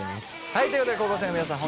はいということで高校生の皆さん